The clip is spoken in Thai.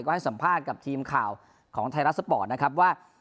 ก็ให้สัมภาษณ์กับทีมข่าวของไทยรัฐสปอร์ตนะครับว่า